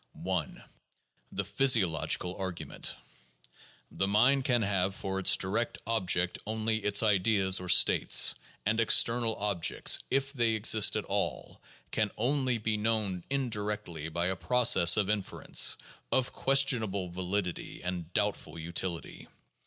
1. The Physiological Argument : The mind can have for its direct object only its own ideas or states, and external objects, if they exist at all, can only be known indirectly by a process of inference, of ques tionable validity and doubtful utility.